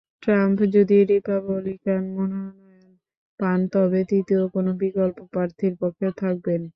Trump যদি Republican মনোনয়ন পান তবে তৃতীয় কোনো বিকল্প প্রার্থীর পক্ষে থাকবেন।